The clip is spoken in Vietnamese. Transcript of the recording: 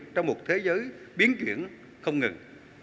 trong một thế giới biến chuyển không ngừng